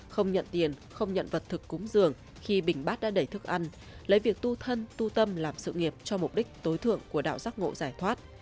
không nhận tiền không nhận vật thực cúng giường khi bình bát đã đẩy thức ăn lấy việc tu thân tu tâm làm sự nghiệp cho mục đích tối thượng của đạo giác ngộ giải thoát